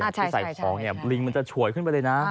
ที่ใส่ของลิงจะฉวยขึ้นไปเลยนะ